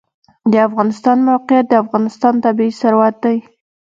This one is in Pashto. د افغانستان موقعیت د افغانستان طبعي ثروت دی.